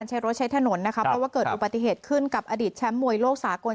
ใช้รถใช้ถนนนะคะเพราะว่าเกิดอุบัติเหตุขึ้นกับอดีตแชมป์มวยโลกสากล